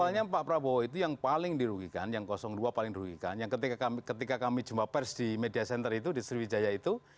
awalnya pak prabowo itu yang paling dirugikan yang dua paling dirugikan yang ketika kami jumpa pers di media center itu di sriwijaya itu